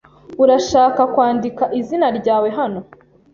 Urashaka kwandika izina ryawe hano?